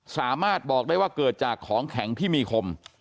สามารถบอกได้ว่าเกิดจากของแข็งที่มีคม